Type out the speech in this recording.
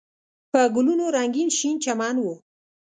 په ګلونو رنګین شین چمن و.